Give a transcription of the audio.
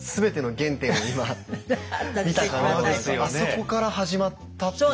僕らあそこから始まったっていう。